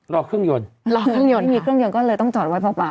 รอเครื่องยนต์รอเครื่องยนต์ไม่มีเครื่องยนต์ก็เลยต้องจอดไว้เปล่า